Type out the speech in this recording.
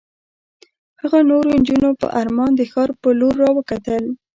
هغه نورو نجونو په ارمان د ښار په لور را وکتل.